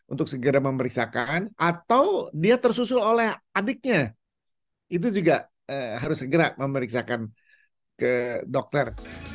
untuk segera memeriksakan atau dia tersusul oleh adiknya itu juga harus segera memeriksakan ke dokter